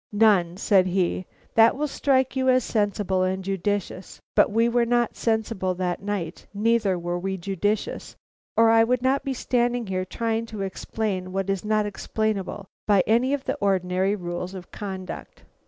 "None," said he, "that will strike you as sensible and judicious. But we were not sensible that night, neither were we judicious, or I would not be standing here trying to explain what is not explainable by any of the ordinary rules of conduct.